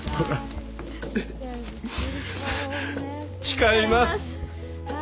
誓います。